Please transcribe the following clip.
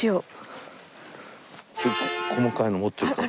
細かいの持ってるから。